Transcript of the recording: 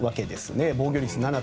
防御率